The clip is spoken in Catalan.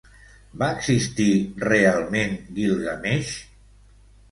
Va existir realment Guilgameix?